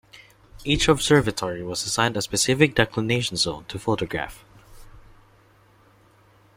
Each observatory was assigned a specific declination zone to photograph.